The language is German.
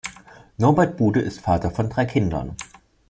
Norbert Bude ist Vater von drei Kindern.